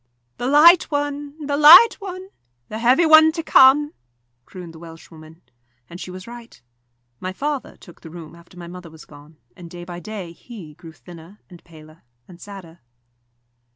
"The light one, the light one the heavy one to come," crooned the Welshwoman. And she was right. My father took the room after my mother was gone, and day by day he grew thinner and paler and sadder.